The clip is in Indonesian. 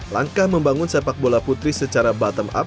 langkah membangun sepak bola putri secara bottom up